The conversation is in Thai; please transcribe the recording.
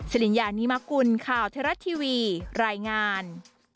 สิริญญานิมกุลข่าวเทราะทีวีรายงาน